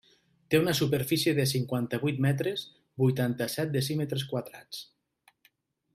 Té una superfície de cinquanta-vuit metres, vuitanta-set decímetres quadrats.